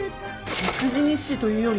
育児日誌というより。